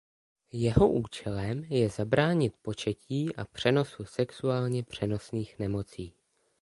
Jeho účelem je zabránit početí a přenosu sexuálně přenosných nemocí.